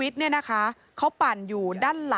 มันมีโอกาสเกิดอุบัติเหตุได้นะครับ